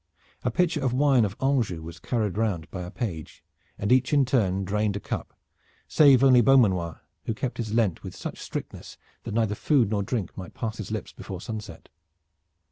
A pitcher of wine of Anjou was carried round by a page, and each in turn drained a cup, save only Beaumanoir who kept his Lent with such strictness that neither food nor drink might pass his lips before sunset.